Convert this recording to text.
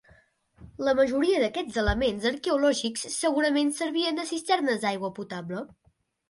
La majoria d'aquests elements arqueològics segurament servien de cisternes d'aigua potable.